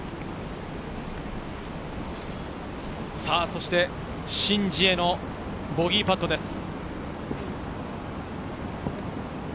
そしてシン・ジエのボギーパットです。